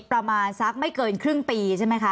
ประมาณสักไม่เกินครึ่งปีใช่ไหมคะ